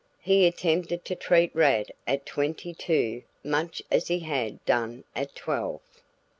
He attempted to treat Rad at twenty two much as he had done at twelve.